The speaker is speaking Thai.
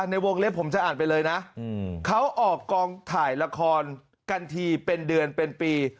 ในวงเล็บผมจะอ่านไปเลยนะเขาออกกองถ่ายละครกันทีเป็นเดือนเป็นปี